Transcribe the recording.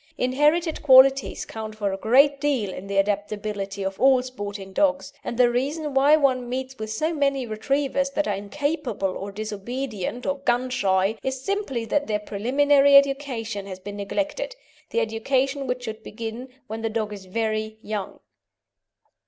Inherited qualities count for a great deal in the adaptability of all sporting dogs, and the reason why one meets with so many Retrievers that are incapable or disobedient or gun shy is simply that their preliminary education has been neglected the education which should begin when the dog is very young.